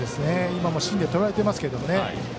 今も芯でとらえていますけどね。